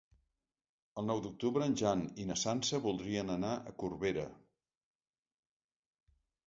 El nou d'octubre en Jan i na Sança voldrien anar a Corbera.